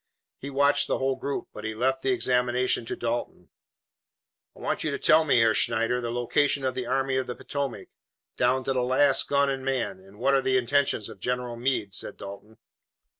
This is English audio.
He watched the whole group, but he left the examination to Dalton. "I want you to tell me, Herr Schneider, the location of the Army of the Potomac, down to the last gun and man, and what are the intentions of General Meade," said Dalton.